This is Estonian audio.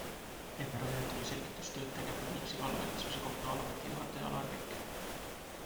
Enne raiet tuli selgitustööd tegema Viimsi vallavalitsuse kommunaalameti juhataja Alar Mik.